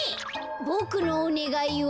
ボクのおねがいは。